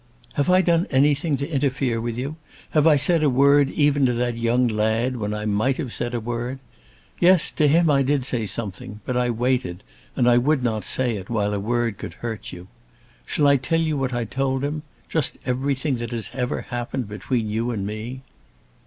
"Have I done anything to interfere with you? Have I said a word even to that young lad, when I might have said a word? Yes; to him I did say something; but I waited, and would not say it, while a word could hurt you. Shall I tell you what I told him? Just everything that has ever happened between you and me."